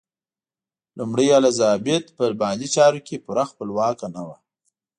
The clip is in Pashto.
لومړۍ الیزابت په مالي چارو کې پوره خپلواکه نه وه.